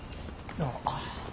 どうも。